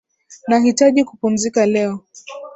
Nahitaji kupumzika leo.